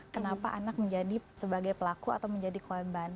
kenapa anak menjadi sebagai pelaku atau menjadi korban